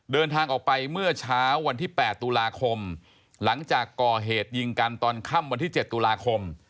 เดินทางออกไปเมื่อเช้าวันที่๘ตุลาคมหลังจากก่อเหตุยิงกันตอนค่ำวันที่๗ตุลาคม